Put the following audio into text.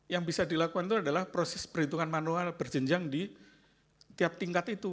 yang bisa dilakukan itu adalah proses perhitungan manual berjenjang di tiap tingkat itu